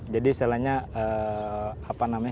jadi istilahnya apa namanya